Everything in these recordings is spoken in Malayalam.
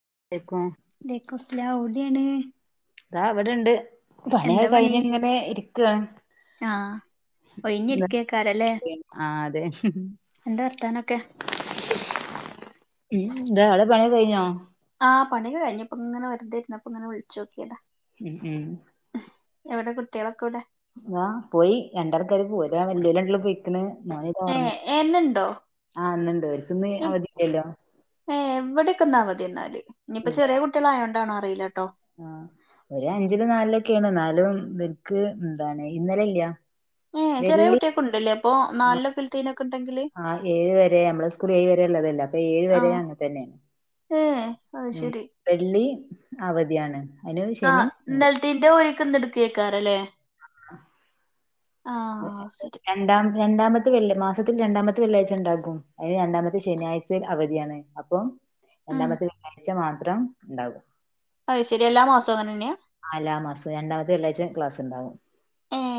[unintelligible] [unintelligible] അതാ അവിടെണ്ട് പണിയൊക്കെ എന്താ പണി കഴിഞ്ഞ ഇങ്ങനെ ഇരിക്കുകയാണ് ആഹ് ഒഴിഞ്ഞിരിക്കേക്കാരല്ലേ ആ അതെ എന്താ വർത്താനൊക്കെ ഉ എന്താ അവിടെ പണിയ കഴിഞ്ഞോ ആ പണിക കഴിഞ്ഞപ്പോ ഇങ്ങനെ വെറുതെ ഇരു ന്നപ്പോ ഇങ്ങനെ വിളിച്ചു നോക്കിയതാ ഉം ഉം എവിടെ കുട്ടികളൊക്കെ എവിടെ ആ പോയി രണ്ടാൾ ക്കാര് പോയി ഒരാളെന്റെല ഉള്ളത് ഏഹ് എന്നുണ്ടോ [unintelligible] ഏ എവിടെയക്ക അവധിയാണഎന്നാല് ഇനിയിപ്പൊ ചെറിയ കുട്ടികളായോണ്ടാണോ അറിയിട്ടോ ആ ഒരു അഞ്ചിലും നാലിലൊക്കെയാണ് എന്നാലും നിനക്ക് എന്താണ് ഇന്നലെല്ല ആ [unintelligible] ഉണ്ടെങ്കില് ഏഴ് വരെ നമ്മള സ്കൂൾ ഏഴ് വരെ ഉള്ളതല്ല ഏഴ് വരെ ആഹ് അങ്ങെ തന്നെയാണ് ഏഹ് അത് ഉം ശരി വെള്ളി അവധിയാണ് അയിന് ആ ശനി ഇണ്ട് ഇന്നൽത്തീന്റെ ഒഴിക്ക് ഇന്ന് എടുക്കിയക്കാറല്ലേ ശരി രണ്ടാം രണ്ടാമത്തെ വെള്ളി മാസ രണ്ടാമത്തെ വെള്ളിയാഴ്ച ഉണ്ടാക്കും അന് രണ്ടാമത്തെ ശനിയാഴ്ചൽ അവധിയാണ് അപ്പം ഉം രണ്ടാമത്തെ ഒിയാഴ്ച മാത്രം ഉണ്ടാകും അത ശരി എല്ലാ മാസവും അങ്ങനെ തന്നെയാ ആ ലാ മാസം രണ്ടാമത്തെ വെള്ളാഴ്ച ക്ലാസ് ഉണ്ടാവും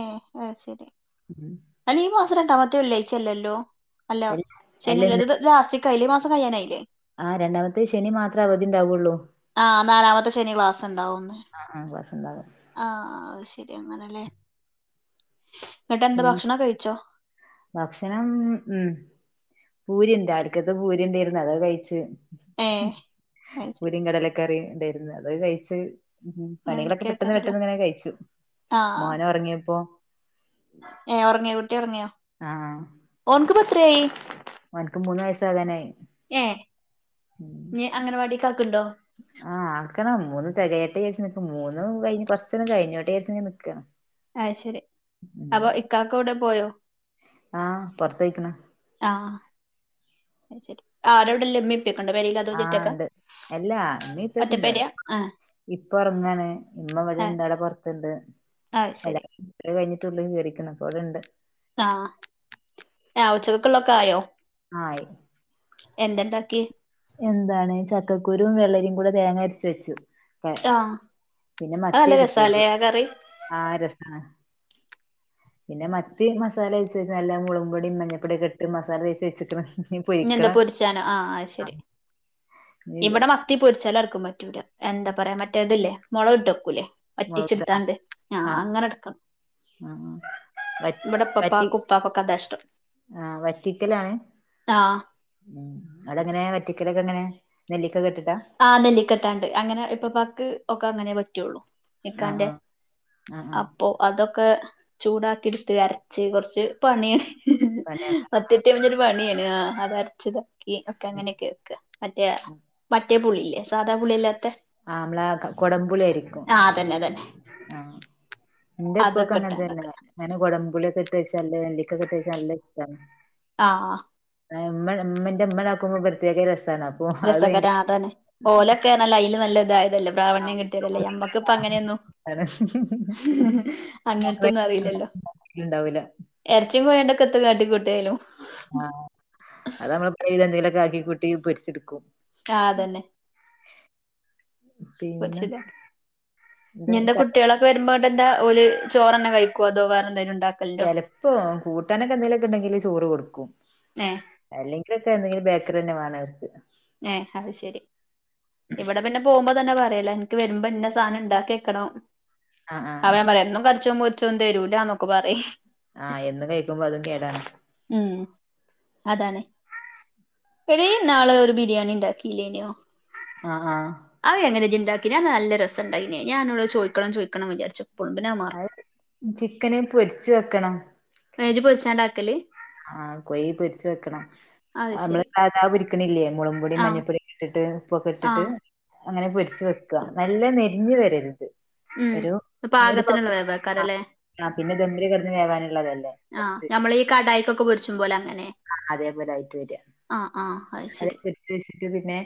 ആഹ ശരി [unintelligible] രണ്ടാമത്തെേ വെള്ളിയാഴ്ച അല്ലല്ലോ അല്ല അല്ല ഇന്ന് [unintelligible] ലാസ്റ്റ് ക്കയില്ല മാസം കഴിയാനായില്ലേ ആ രണ്ടാമത്തെ ശനി മാത്രം അവധി ഉണ്ടാവുള്ളൂ ആ നാലാമത്തെ ശനി ക്ലാസ് ഉണ്ടാവന്ന് ആ ആ ക്ലാസ് ഉണ്ടാകും ആ അ ശരി അങ്ങനല്ലേ പിന്നെ ഭക്ഷണം ഉ പൂരി [unintelligible] പൂരി ഉണ്ടായിരുന്ന അതോ കഴിച്ചു ഏഹ് അത് ശരി പൂരി കടലക്കറിയും ഉണ്ടായിരുന്നു അത് കഴിച്ച് അങ്ങനെ പണികളൊക്കെ പെട്ടെന്ന് ഇരിക്കാക്കാരല്ലേ പെട്ടന്ന് ഇങ്ങനെ കഴിച്ചു ആഹ് മോന ഉറങ്ങിയപ്പോൊ ഏഹ് ഉറങ്ങിയോ കുട്ടി ഉറങ്ങിയോ ആ [inaudible] അവനക്ക് മൂന്ന് വയസാകാനായി നീഅംഗനവാടി കാക്കുണ്ടോ ആഹ് ആക്കണം മൂന്ന് തികേട്ടെ വിരിച്ച് മൂന്ന് കുറച്ചൊക്കെകഴിഞ്ഞോട്ട്ച് നിൽക്ക് അശരി അപ്പൊ ഇക്കക്ക കൂടെ പോയോ ആ പുറത്തയ്ക്കണ് ആഹ് ശരി ആരോടെല്ലമ്മ ആഉണ്ട് എല്ലാഉമ്മയുപ്പങുയൊകെ ഉണ്ട് ഒറ്റപ്പെരയാ ആഹ് ഇപ്പൊ ഉറങ്ങാന് ഇമ്മ ഇവിടെ ആഹ് ഇണ്ട് അവിടെ പുൊറത്തണ്ട് അത് അല്ല ശരി കഴിഞ്ഞിട്ടുള്ള ശേരിക്കുന്ന അപ്പോടെണ്ട് ആ ഉച്ചക്കക്കുള്ളൊക്കെ ആയോ ആയി എന്തണ്ടാക്കി എന്താണ് ചക്കക്കുരുവും വെള്ളരിയും കൂടെ തേങ്ങ അരച്ച വെച്ചു ആഹ് പിന്നെ അത് മത്തിയ നല്ല രസാല്ലേ കിട്ടിയത് ആ കറി ആ രസ പിന്നെ മറ്റ മസാല വേച്ച വെ നല്ല മുളും പൊടിും മഞ്ഞൾപ്പൊിയ ഒക്കെട്ട് മസാല വേച്ചച്ച് വെച്ചക്കണം എന്താ പൊരിച്ചാല ആ ശരി ഇനി ഇവിടെ മത്തി പറ്റില്ലപൊരിച്ചാലആർക്കും പറ്റൂ എന്താ പറയാ മറ്റേതല്ലേ മുള ഇട്ടൊക്കൂലേ മുളകിട്ട് പറ്റിച്ചെടുത്താണ്ട് അങ്ങനെ എടുക്കണം ആ ഇവിടെ ഉപ്പാപ്പക്കും ഉപ്പാക്കുമൊക്കെ അതാ ഇഷ്ട്ടം ആ വറ്റിക്കലാണ് ഉ അവിടെങ്ങനെ വറ്റ വറ്റിക്കല്ലെയൊക്കെ എങ്ങനെ നെല്ലിക്കയൊക്കെ ഇ ആ നെല്ലിക്കടാണ്ട് അങ്ങനെ ഉപ്പാപ്പക്ക് ഒക്കെ അങ്ങനെ പറ്റുള്ളു ആഹ് നിക്കാന്റെ ആഹ് ആഹ് ആഹ് അപ്പൊ അതൊക്കെ ചൂടാക്കി എടുത്ത് അരച്ച് കൊറച്ച് പണിയാണ് പടയണ ആഹ് ആഹ് മത്തിട്ടഞ്ഞരു പണിയാണ് ആ അത്രച്ചുതാക്കി ഒക്കെ അങ്ങനെയൊക്കെ വെക്ക മറ്റേ മറ്റേ പുളിയില്ലേ സാധ പുളിയാ ആ അമ്മാള ക കൊടമ്പുളിയായിയിരിക്കും ആ അതന്നെ അതന്നെ ആ എന്റെ ഇപ്പൊക്കെ അതൊക്കെ ഇട്ടാണ്ട് അങ്ങനെത്തന്നെയാ അങ്ങനെ കൊടമ്പുളിയൊക്കെ ഇട്ട് വെച്ചാ അല്ലെ നെല്ലിക്കക്കെ ഇട്ട് വെച്ചാ നല്ല ഇഷ്ടാ ആ ഏഹ് ഇമ്മ ഇമ്മന്റെ ഇമ്മളാക്കുമ്പോ പ്രത്യേക രസാണ് അപ്പൊ അത് രസകര അതല്ല പ്രാവണ്യം കിട്ടിയോരല്ലേ യമ്മക്കിപ്പോ ആ അങ്ങനെയൊന്നും ആണ് അങ്ങനത്തൊന്നും അറിയില്ലല്ലോ ഇണ്ടാവൂല ജ്ജ് പോയേണ്ടക്കത്ത് കാട്ടികൂട്ടിയായാലും ആഹ് കുട്ടീം പൊരിച്ചെടുക്കും ആ അതന്നെ [unintelligible] പിന്നെ ഇനി എന്താ എന്റെ കുട്ടികളൊക്കെ വരുമ്പോ പ്പെന്താ ഓല് ചോറന്ന കഴിക്കോ അതോ വേറെന്തേലും ഇ ചെലപ്പോ കൂട്ടാനൊക്കെ എന്തേലുവൊക്കെ ഇണ്ടെങ്കില് ചോറ് കൊടുക്കും ഏഹ് അല്ലെങ്കിലൊക്കെ എന്തെങ്കിലും ബേക്കറി തന്നെ വേണംവർക്ക് ഏ അത് ശരി ഇവിടെ പിന്നെ പോവുമ്പോ തന്നെ പറയാ ല നിക്ക് വരുമ്പ ഇന്ന സാനം ഇണ്ടാക്കി വെക്കണം ആഹ് ആഹ് അവൻ പറയാ എന്നും കരിച്ചും പൊരി ച്ചൊന്നും തരൂലാന്നൊക്കെ പറയ് ആഹ് എന്നും കഴിക്കുമ്പോ അതും കേടാണ് ഉം അതാണ് എടീ നാള ഒരു ബിരിയാണി ഇണ്ടാക്കീലേന്യോ ആഹ് ആഹ് അതെങ്ങനെ ഇജ്ജ് ഇണ്ടാക്കിന് അത് നല്ല രസണ്ടായിനി ഞാനന്നോട് ചോയിക്കണം ചോയിക്കണം വിചാരിച്ചു എപ്പളും പിന്നെ അത് മറക്കും ചിക്കന് പൊരിച്ച് വെക്കണം [unintelligible] പൊരിച്ചാണ്ടാക്കല് ആ കോയ് പൊരിച്ച് വെക്കണം അത് ആ നമ്മള് ശരി സാധാ പൊരിക്കണില്ലേ മോളവും പൊടിയും ആഹ് മഞ്ഞപ്പൊടിയൊക്കെ ഇട്ടിട്ട് ഉപ്പൊക്കെ ഇട്ടിട്ട് ആഹ് അങ്ങനെ പൊരിച്ച് വെക്കാ നല്ല നെരിഞ്ഞ് വരരുത് ഉം ഒരു ഒരു പാകത്തിനുള്ള പാത്രം ആ വേവേക്കാരല്ലേ ആ പിന്നെ ദാമിലെ കെടന്ന് വേവാനുള്ളതല്ലേ ആഹ് കൊറച്ച് ഞമ്മള് ഈ കടായിക്കൊക്കെ പൊരിച്ചും പോലെ അങ്ങനെ ആ അതേപോലായിട്ട് വരിയ ആഹ് ആഹ് അത് അതേ ശരി പൊരിച്ച് വെച്ചിട്ട് പിന്നെ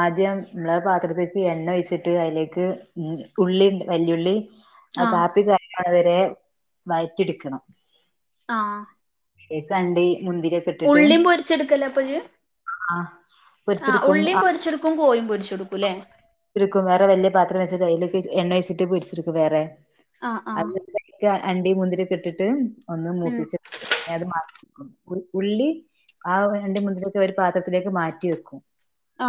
ആദ്യം നമ്മള് പാത്രത്തേക്ക് എണ്ണ ഒഴിച്ചിട്ട് അതിലേക്ക് മ്മ് ഉള്ളിണ്ട് വല്യുള്ളി ആ ആഹ് കാപ്പി കരിയവടവരെ വയറ്റിയെടുക്കണം ആ കേക്കാണ്ടി മുന്തിരിയൊക്കെ ഇട്ടിട്ട് ആ ആ പൊരിച്ചെടുക്കും ഉള്ളീം പൊരിച്ചെടുക്കും കോയും പൊരിച്ചെടുക്കൂല്ലേ ഇരുക്കും വേറെ വല്യ പാത്രം വച്ചിട്ട് അയിലേക്ക് എണ്ണ ഒഴിച്ചിട്ട് പൊരിച്ചെടുക്കും വേറെ ആഹ് ആഹ് അതെക്കെ അണ്ടി മുന്തിരിയൊക്കെ ഇട്ടിട്ട് ഒന്ന് ഉം മൂപ്പിച്ചെ [unintelligible] ഉ ഉള്ളി ആ വ രണ്ട് മുന്തിരിയൊക്കെ ഒരു പാത്രത്തിലേക്ക് മാറ്റി വെക്കും ആ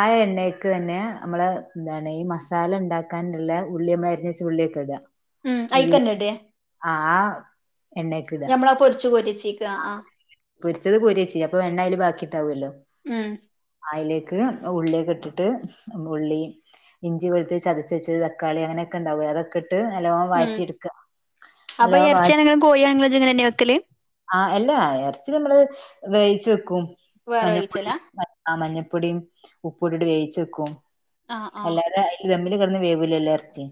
ആ എണ്ണ ക്ക് അന്നെ അമ്മള് എന്താണ് ഈ മസാല ഉണ്ടാക്കാനുള്ള ഉള്ളിയുമ്മേ അരിഞ്ഞ് വച്ച് ള്ളിയൊക്കെ ഇട ഉം അയിക്കന്നടേ ആഹ ഞമ്മളാ പൊരിച്ച് കോരിവച്ചേക്ക് ആ പൊരിച്ചത് കോരിവച്ചി അപ്പൊ എണ്ണേല് ബാക്കിട്ടാവുല്ലോ ഉം ആയല്ലേ ഉള്ളിയൊക്കെ ഇട്ടിട്ട് ഉള്ളി ഇഞ്ചി വെളുത്തു ചതച്ച് വച്ചത് തക്കാളി അങ്ങനയൊക്കെ ഉണ്ടാവും അതൊക്കെ ഇ ഇട്ട് നല്ലോണം ഉം വഴറ്റി എടുക്ക അപ്പൊ നല്ലോണം വ എറച്ചിയാണെങ്കിലും കോഴിയാണെങ്കിലും ഇജ്ജ് ഇങ്ങനെന്നെ വെക്കല് ആ അല്ലാ എറച്ചി നമ്മള് വേവിച്ച് വെക്കും വേറെ മഞ്ഞപ്പൊടിയും വേവിച്ചലാ അ അ മഞ്ഞ മഞ്ഞപ്പൊടിയും ഉപ്പുയിട്ടിട്ട് വേവിച്ച് വെക്കും ആഹ ആഹ തമ്മില് കിടന്ന് വേവൂലല്ല ഇറച്ചി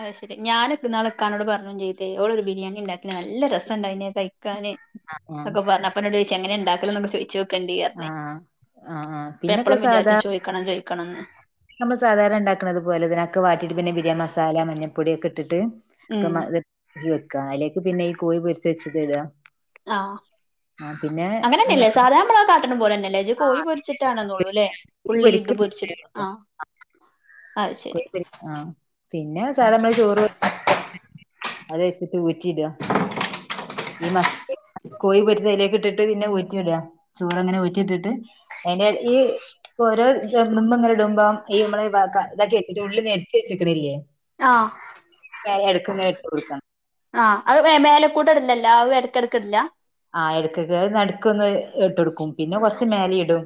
അഹ് ശരി ഞാന് ഇന്നാൾ കാനോട് പറഞ്ഞും ചെയ്തേ ഓളൊരു ബിരിയാണി ഉണ്ടാക്കി നല്ല രസവാണ്ടാക്കി കഴിക്കാന് ആ ഒക്കെ ആ പറഞ്ഞപ്പനോട് ചോദിച് എങ്ങനെ ഉണ്ടാക്കലോ എന്നൊക്കെ ചോദിച്ചു കൊണ്ടി ആ പറഞ്ഞ് ആ ആ ഇത പിന്നൊക്കെ എപ്പഴും സാധാ വിചാരിച്ചു ചോദിക്കണം ചോദിക്കണംന്ന് നമ്മൾ സാധാരണ ഉണ്ടാക്കുന്നത് പോലെതിനൊക്കെ വാട്ടിയിട്ട് പിന്നെ ബിരിയാ മസാല മഞ്ഞൾപ്പൊടി ഒക്കെ ഇട്ടിട്ട് ഉം വെക്ക അലേക്ക് പിന്നെ ഈ കോഴി പൊരിച്ച് വെച്ചത് ഇടുക ആ ആ പിന്നെ അങ്ങനെ എന്താ തന്നെയല്ലേ സാധാരണ നമ്മളെ കാട്ടനും പോലെ തന്നെല്ലേ ഇത് ആ കോഴി പൊരിച്ചിട്ടാണെന്നുള്ളൂ അല്ലേ കോഴി ഉള്ളി പൊരിച്ചടുക്കും ആ കോയി ആ പിന്നെ സാധ നമ്മള് ചോറ് വക്കണ പോ- അതെ ചിട്ട വിറ്റിട [unintelligible] ഈ മസ് കോഴി പരിച്ചതിലേക്ക് ഇട്ടിട്ട് പിന്നെ ഉറ്റിടുക ചൂട്ങ്ങനെ ഒച്ചിട്ടിട്ട് അതിന്റെ ഈ- ഓരോ ദമ്പുഇങ്ങെ ഇടുമ്പോം ഈ നമ്മളെ ഇതാക്കി വെച്ചിട്ട് ഉള്ളിൽ നരിച് വെച്ചിക്കണല്ലേ ആഹ് എടുക്കുന്ന ഇട്ട് കൊടുക്കണം ആഹ് അത് മേല കൂടെ ഇടില്ലല്ല അ ഇടക്കിടക്ക് ഇടില്ല ആ എടുക്കൊക്കെത് നടുക്ക് ഒന്ന് ഇട്ട് കൊടുക്കും പിന്നെ കൊറച്ച് മേലെ ഇടും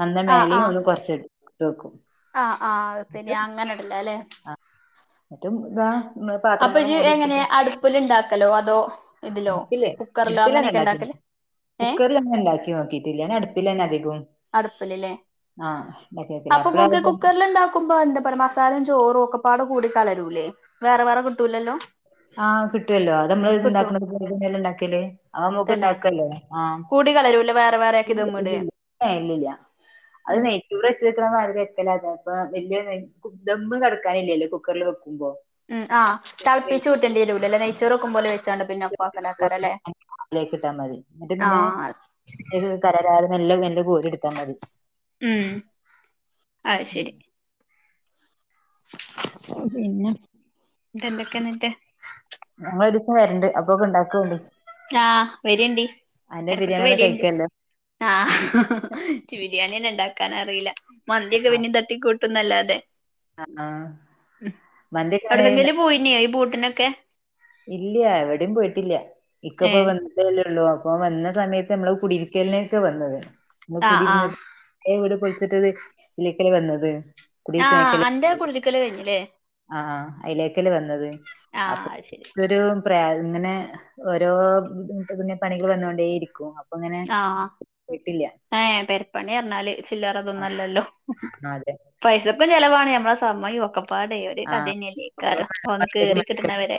നല്ല ആഹ് മേലും ആഹ് ഒന്ന് കൊറച്ച് അടിക്കു വെക്കും ആഹ് ആഹ് ശെരി അങ്ങനെടല്ല അല്ലെ മറ്റും ഇതാ പാത്രങ്ങളും ഇജ്ജ് മൂടി എങ്ങനെ വെച്ചിട്ട് അടുപ്പില് ഇണ്ടാക്കലോ അതോ ഇതിലോ ഇപ്പിൽ കുക്കറിലോ ഇടുന്ന അങ്ങനെയൊക്കെ രണ്ടാക്കി ഇണ്ടാക്കല് ഏഹ് കുക്കറിൽന്നെ ഉണ്ടാക്കി നോക്കിട്ടില്ല ഞാ അടുപ്പിൽ തന്നെ അ അടുപ്പലല്ലേ ഉണ്ടാക്കി നോക്കല് അപ്പൊ അപ്പള കുക്കെ കുക്കറൽണ്ടാക്കുമ്പോ എന്താ പറ മസാലയും ചോറും ഒക്കെപ്പാട് കൂടി കലരൂല്ലേ വേറെ വേറെ കിട്ടൂല്ലല്ലോ ആഹ് കിട്ടുവല്ലോ അത് നമ്മള് ഇണ്ടാക്കുന്നത് ന്നെല്ലാം ഇണ്ടാക്കിയല്ലേ അവ നമുക്ക് ഇണ്ടാക്കല്ലോ ആഹ് കുടി കലരൂല്ലേ വേറെ വേറെ ആക്കി ദമ്മടെ ഇല്ലല്ല അത് നെയ്ച്ചോർ വെച്ചിക്കണ നാ ക്ക അതെ അപ്പ വലിയ ദമ്മ് കടക്കാനില്ലല്ലോ കുക്കറിൽ വെക്കുമ്പോ ഉം ആ തളപ്പിച്ച് ഊറ്റണ്ടിരൂല്ല അല്ലേ നെയ്ച്ചറൊക്കെ ആ പോലെ വെച്ചണ്ട് പിന്നെ ഒപ്പാക്കലക്കാര അല്ലെ അതിലേക്ക് ഇട്ടാ മതി എന്നിട്ട് പിന്നെ കലരാതെ നല്ല നല്ല കോരി എടുത്താ മതി ഉം അ ശരി അതന്നെ ഇത് എന്തൊക്കെയ എന്നിട്ട് ഞങ്ങൾ ഒരു ദിവസം വരണ്ട് അപ്പൊക്കെ ഇണ്ടാക്കോണ്ടി ആഹ് വരണ്ടി ഇടക്കെ ബിരിയാണി ഒന്നും വരിയണ്ട് കഴിക്കല്ലോ ആ ബിരിയാണിന്നെ ഇണ്ടാ- കാനാറിയില്ല മന്തിയോക്കെ പിന്നെ തട്ടി കൂട്ടുംന്നല്ലാതെ ആഹ് ഉം മന്തിയൊക്കെ എങ്ങനെ ഉണ്ടാ എവിടക്കെങ്കിലു പോയിനോ ഈ പൂട്ടിനൊക്കെ ഇല്ല എവിടെയും പോയിട്ടില്ല ഇക്കപ്പോ ഏഹ് വന്നിട്ടേല്ലേ ഉള്ളൂ ഇപ്പൊ വന്ന സമയത്ത് നമ്മള് കുടിയിരിക്കലേക്കെ വന്നത് ന ആഹ് ആഹ് കുടിരുന്നിട് ഇവിടെ പോയി [unintelligible] ഇലക്കൽ വന്നത് ആഹ് കുടേക്കല അന്റെ കുടിര്ക്കല് കഴിഞ്ഞില്ലേ ആ അയ്ലേക്കല്ലേ വന്നത്. ആഹ് അ ശരി. പ്പം പ്രേ ഇങ്ങനെ ഓരോ [unintelligible] പണികള് വന്നൊണ്ടേയിരിക്കും. ആഹ് ഏഹ് പെര്പ്പണി അർഞ്ഞാല് ചില്ലറ തൊന്നല്ലല്ലോ. ആഹ് അതെ. പൈസക്കും ചെലവാണ്. ഞമ്മളെ സമയും ഒക്കെ പ്പാടെ ഒര് ആഹ് നമ്മള് കഥന്നെല്ലേക്കാരം ഒന്ന് ഒറ്റക്ക് കേറി കിട്ട്ണ മെനക്കെടും. വരെ.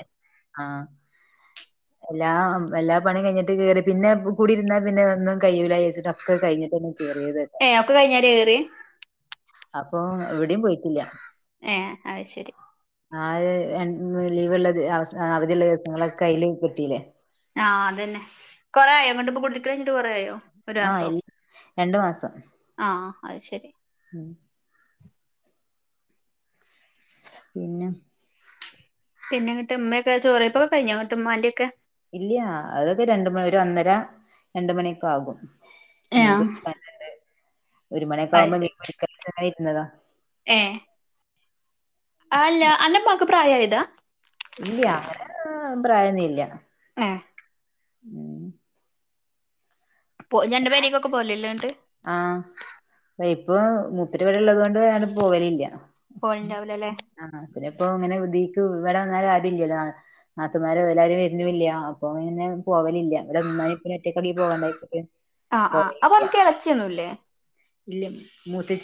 എല്ലാം എല്ലാ പണി കഴിഞ്ഞിട്ട് കേറി പിന്നെ കൂടിയിരുന്നാ പിന്നെ ഒന്നും കയ്യൂ ലായ്ച്ച്ട്ട് ഒക്കെ കഴിഞ്ഞിട്ടന്നെ കേറിയത്. ഏഹ് ഒക്കെ കഴിഞ്ഞാരെ കേറിയെ അപ്പൊ എവിടെയും പോയിട്ടില്ല ഏ അത് ശരി ആകെ രണ്ടുന്ന് ലീവ് ഉള്ളത് അവ അവധിയുള്ള ദിവസങ്ങളൊക്ക അതിലല് കിട്ടീല്ലേ ആഹ് അത് തന്നെ കുറെയായോ ഇപ്പൊ അങ്ങോട്ട് കുടിക്ക [unintelligible] ഴിഞ്ഞിട്ട് കുറേയായോ ആ ഇൽ രണ്ടു മാസം ആ അത് ശെരി ഉം പിന്നെ പിന്നെ ഇങ്ങട്ട് ഉമ്മയൊക്കെ ചോറ് വെപ്പൊക്കെ കഴിഞ്ഞോ ഉമ്മാന്റെ ഒക്കെ ഇല്ല അതൊക്കെ രണ്ട് മണി ഒരു ഒന്നര രണ്ട് മണിയൊക്കെ ആകും ഏ മീൻ അ പൊരിക്കാനുണ്ട്. ഒരു മണിയൊക്കെ ആകുമ്പോ മീൻ വേടിക്കാവെച്ച് ഇരുന്നതാ ആ അല്ല അന്റെ ഉമ്മാക്ക് പ്രായമായതാ ഇല്യ അങ്ങനെ പ്രായമൊന്നുയില്ല [unintelligible] ഉം [unintelligible] പോ എന്റെ പേരേ [unintelligible] ക്കൊക്കെ പോലല്ലണ്ട് ആഹ് ഇപ്പൊ മുപ്പരി ഇവിടെയുള്ളതോണ്ട് ഞാന് പോവലില്യ പോവലുണ്ടാവില്ല അല്ലേ പിന്നെ ഇപ്പ ഇങ്ങനെ ഇതിക്ക് ഇവിടെ വന്നാലും ആരും ഇല്ലല്ലോ നാത്തൂൻമാര് എല്ലാരും വരുന്നില്ല അപ്പൊ ഇങ്ങനെ- പോവലില്ല ഇവിടെ ഉമനെയും ഉപ്പാനെയും ഒറ്റൊക്കാക്കി പോവാണ്ടായി വെച്ചിട്ട് ആഹ് ആഹ് അപ്പൊ നമക്ക് എളച്ചിയൊന്നുമില്ലേ ഇല്ല മൂത്ത-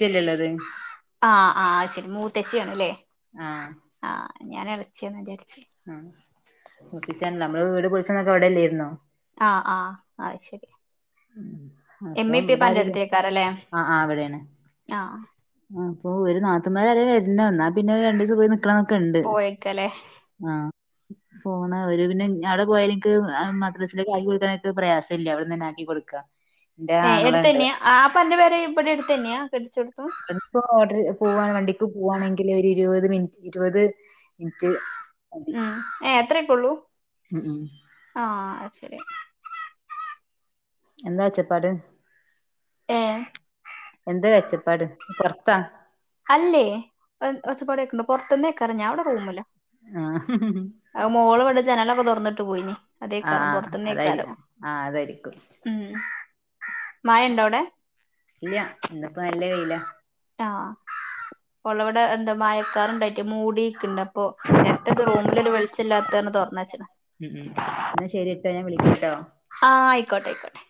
ആഹ് ആഹ് അത് ശരി മൂത്തച്ചിയാണ് അല്ലേ ആഹ് ഞാൻ ഇളിച്ചിയാന്ന വിചാരി അ മൂത്തശ്ശിനല്ലോ നമ്മള് വീട് പൊളിച്ചണക് അവിടെല്ലായിരുന്നോ ആ ആഹ് അത് ശരി അപ്പം ഇവിടെ ഇമ്മപ്പാക്കെ ആരുല്ല അടുത്തേക്കാര ലെ ആ ആ പ്പൊ വര് നാത്തുമാരാരെം വര ല്ലാ ന്നാ പിന്നെ രണ്ടു ദിസം പോയി നിക്കണം എന്നൊക്കെ ഉണ്ട് പോയേക്കല്ലേ ആഹ് പോണ ഒരു പിന്നെ ഞ അവിടെ പോയ എൻക്ക് മദ്രാസിലേക്ക് ആക്കി കൊടുക്കാനൊക്കെ പ്രയാസല്ല അവിടെന്ന് ന്നെ ആക്കി കൊടുക്ക ഏ എടുത്തന്നെയാ ആ അപ്പൊ അന്റെ പേരെ ഇവിടെ അടുത്ത ന്നെയാ കെട്ടിച്ചോ അ പ്പൊ ഓര് പോവണ വണ്ടിക്ക് പോവാണെങ്കിൽ ഒര് ഇരുപത് മിനിറ്റ് ഇരുപത് മിനിറ്റ് മതി ഉം ഏ അത്രക്കുള്ളൂ ഉം ഉം ആഹ് ശരി എന്താ ഒച്ചപ്പാട് ഏഹ് എന്താ വെച്ച പാട് പൊറത്താ പുറത്തന്നേ ക്കാരം ഞാൻ ഇവിടെ റൂമിലാ ആഹ് അ മോള് ഇവിടെ ജനലൊക്കെ തുറന്നിട്ട് പോയിന് അതേക്കാരം ആഹ് അതായിരി പൊറത്തേന്നേക്കാരം ആഹ് അതായിരിക്കും മഴയുണ്ടോ അവിടെ ഇല്ല ഇന്നിപ്പോ നല്ല വെയിലാ ആഹ് പള്ളവിടെ എന്താ മഴക്കാറണ്ടായിട്ട് മൂടിക്കണ്ട് എത്ത റൂമിലൊരു വെളിച്ചില്ലാ കാരണം തോറന്ന് വച്ച് ഉം ഉം എന്ന ശരിട്ടോ ഞാൻ വിളിക്ക കേട്ടോ ആ ആയിക്കോട്ടെ ആയിക്കോട്ടെ